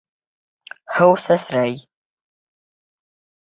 Һыу сәсрәй.